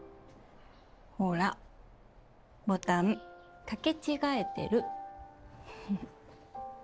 ほらボタン掛け違えてる。